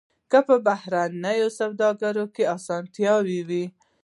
که په بهرنۍ سوداګرۍ کې اسانتیا وي.